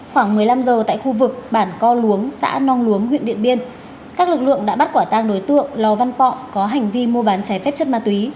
khoảng một mươi năm giờ tại khu vực bản co luống xã nong luống huyện điện biên các lực lượng đã bắt quả tang đối tượng lò văn pọng có hành vi mua bán trái phép chất ma túy